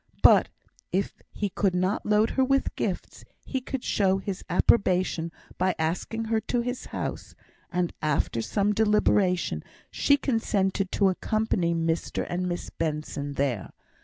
But if he could not load her with gifts, he could show his approbation by asking her to his house; and after some deliberation, she consented to accompany Mr and Miss Benson there.